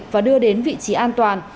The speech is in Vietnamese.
và đưa đến vị trí an toàn